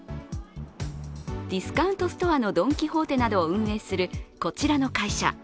ディスカウントストアのドン・キホーテなどを運営するこちらの会社。